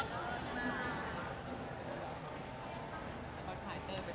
ขอมองกล้องลายเสือบขนาดนี้นะคะ